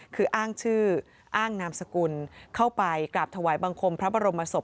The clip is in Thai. คืออ้างชื่ออ้างนามสกุลเข้าไปกราบถวายบังคมพระบรมศพ